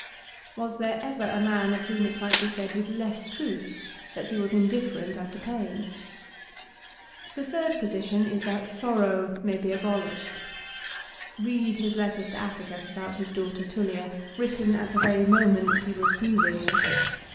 Was there ever a man of whom it might be said with less truth that he was indifferent as to pain ? The third position is that sorrow may be abolished. Bend his letters to Atticus about his daughter Tullia, written at the very moment he was proving this.